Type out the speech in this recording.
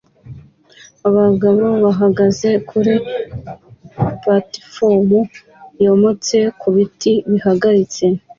Abagabo bahagaze kuri platifomu yometse ku biti bihagaritse